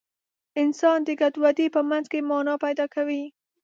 انسان د ګډوډۍ په منځ کې مانا پیدا کوي.